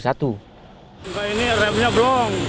yang mana belum